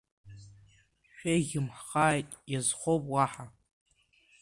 Шәеиӷьымхааит, иазхоуп уаҳа!